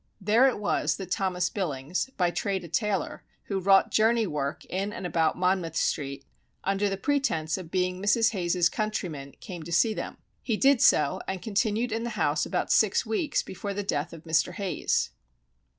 There it was that Thomas Billings, by trade a tailor, who wrought journey work in and about Monmouth Street; under pretence of being Mrs. Hayes's countryman came to see them. He did so, and continued in the house about six weeks before the death of Mr. Hayes.